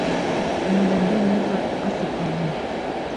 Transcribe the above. Күңелендә ни бар, асып һалһын.